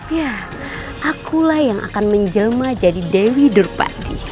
ya akulah yang akan menjelma jadi dewi derpati